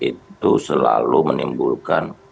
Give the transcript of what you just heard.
itu selalu menimbulkan